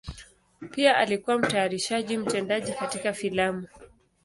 Pia alikuwa mtayarishaji mtendaji katika filamu.